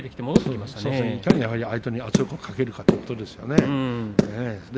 いかに相手に圧力をかけるかということですね。